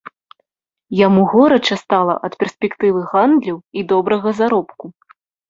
Яму горача стала ад перспектывы гандлю і добрага заробку.